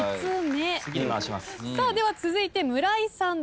では続いて村井さんです。